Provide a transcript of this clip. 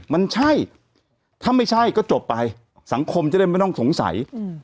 มันใช่ถ้าไม่ใช่ก็จบไปสังคมจะได้ไม่ต้องสงสัย